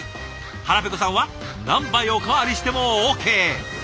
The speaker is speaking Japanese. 腹ペコさんは何杯おかわりしてもＯＫ。